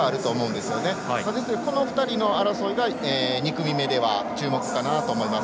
ですのでこの２人の争いが２組目では注目かなと思います。